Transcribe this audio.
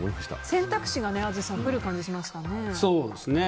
選択肢が淳さん増える感じがしましたね。